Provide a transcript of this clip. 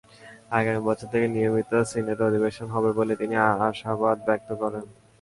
আগামী বছর থেকে নিয়মিত সিনেট অধিবেশন হবে বলে তিনি আশাবাদ ব্যক্ত করেন।